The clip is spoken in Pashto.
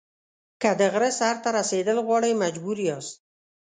که د غره سر ته رسېدل غواړئ مجبور یاست.